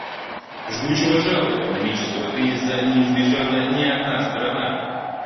Жгучего жала экономического кризиса не избежала ни одна страна.